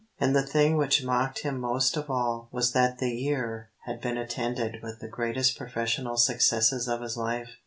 And the thing which mocked him most of all was that the year had been attended with the greatest professional successes of his life.